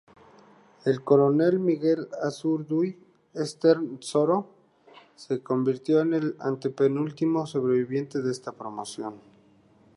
El coronel Miguel Azurduy Estenssoro se convirtió en el antepenúltimo sobreviviente de esta promoción.